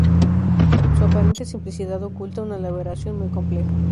Su aparente simplicidad oculta una elaboración muy compleja.